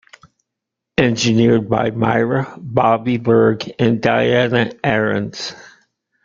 Engineered by Mirah, Bobby Burg and Diana Arens.